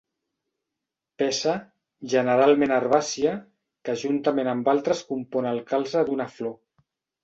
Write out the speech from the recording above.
Peça, generalment herbàcia, que juntament amb altres compon el calze d'una flor.